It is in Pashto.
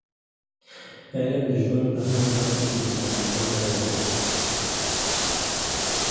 علم د ژوند په هره برخه کې د کامیابۍ راز دی.